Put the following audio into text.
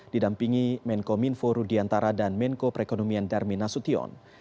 didampingi menko minfo rudiantara dan menko perekonomian darmin nasution